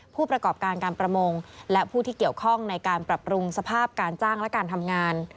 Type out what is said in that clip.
ผู้ประกอบการการประมงและผู้ที่เกี่ยวข้องในการปรับปรุงสภาพการจ้างและการทำงาน